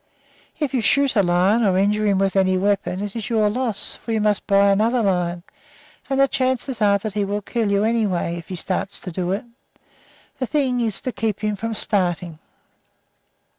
If you shoot a lion or injure him with any weapon, it is your loss, for you must buy another lion, and the chances are that he will kill you, anyway, if he starts to do it. The thing is to keep him from starting."